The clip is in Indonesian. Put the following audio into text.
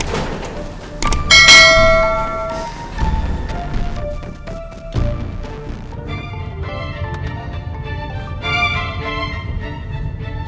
iya kan noh